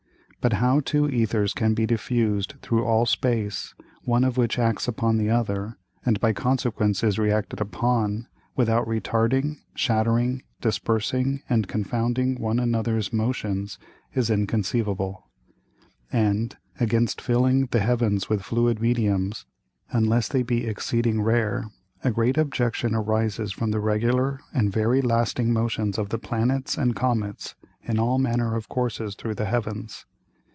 But how two Æthers can be diffused through all Space, one of which acts upon the other, and by consequence is re acted upon, without retarding, shattering, dispersing and confounding one anothers Motions, is inconceivable. And against filling the Heavens with fluid Mediums, unless they be exceeding rare, a great Objection arises from the regular and very lasting Motions of the Planets and Comets in all manner of Courses through the Heavens.